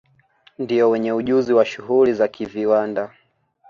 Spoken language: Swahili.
Ndio wenye ujuzi wa shughuli za kiviwanda